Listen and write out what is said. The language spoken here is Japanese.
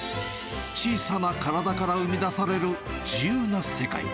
小さな体から生み出される自由な世界。